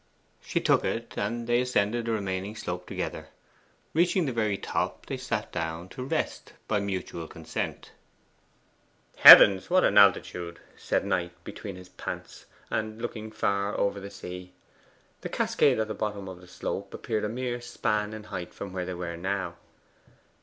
She took it, and they ascended the remaining slope together. Reaching the very top, they sat down to rest by mutual consent. 'Heavens, what an altitude!' said Knight between his pants, and looking far over the sea. The cascade at the bottom of the slope appeared a mere span in height from where they were now.